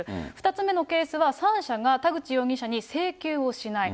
２つ目のケースは、３社が田口容疑者に請求をしない。